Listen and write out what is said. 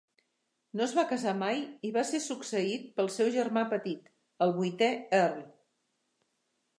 No es va casar mai i va ser succeït pel seu germà petit, el vuitè Earl.